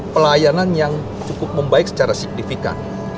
pelayanan yang cukup membaik secara signifikan